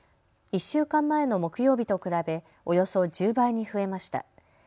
１週間前の木曜日と比べおよそ１０倍に増えました。